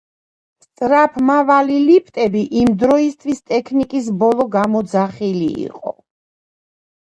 სწრაფმავალი ლიფტები იმდროისთვის ტექნიკის ბოლო გამოძახილი იყო.